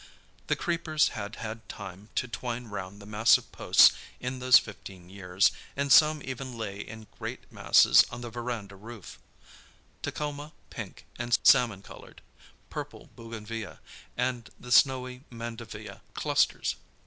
The creepers had had time to twine round the massive posts in those fifteen years, and some even lay in great masses on the verandah roof; tecoma, pink and salmon coloured; purple bougainvillea, and the snowy mandevillea clusters.